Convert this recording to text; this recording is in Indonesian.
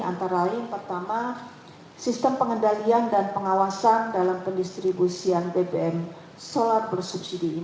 antara lain pertama sistem pengendalian dan pengawasan dalam pendistribusian bbm solar bersubsidi